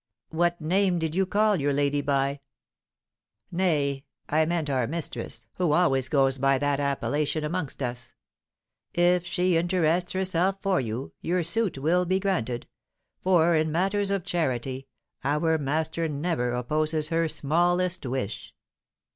"What name did you call your lady by?" "Nay, I meant our mistress, who always goes by that appellation amongst us. If she interests herself for you, your suit will be granted; for, in matters of charity, our master never opposes her smallest wish."